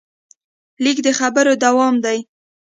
لیک د خبرو دوام دی.